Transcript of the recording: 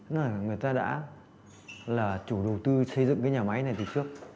là người ta đã là chủ đầu tư xây dựng cái nhà máy này từ trước